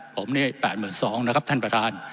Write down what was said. ผมเนี่ย๘๒๐๐นะครับท่านประธาน